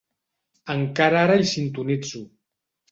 Encara ara hi sintonitzo.